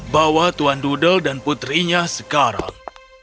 bahwa tuan dudel dan putrinya sekarang